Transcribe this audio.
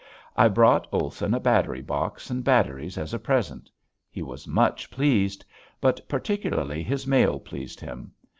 I brought Olson a battery box and batteries as a present. He was much pleased. But particularly his mail pleased him.